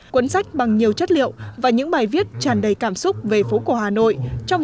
hai nghìn một mươi chín cuốn sách bằng nhiều chất liệu và những bài viết tràn đầy cảm xúc về phố cổ hà nội trong